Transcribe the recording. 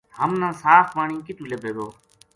ہم نا صاف پانی کِتو لبھے گو ؟